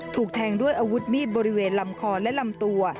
ถูกแทงด้วยอาวุธมีดบริเวณลำคอและลำตัว